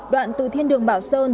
đoạn từ thiên đường bảo sơn